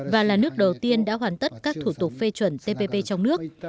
và là nước đầu tiên đã hoàn tất các thủ tục phê chuẩn tp trong nước